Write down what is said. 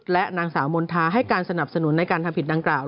และนางสาวมณฑาให้การสนับสนุนในการทำผิดดังกล่าว